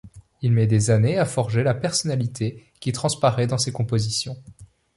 Il met des années à forger la personnalité qui transparaît dans ses compositions.